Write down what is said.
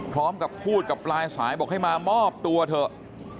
พร้อมกับพูดกับปลายสายบอกให้มามอบตัวเถอะ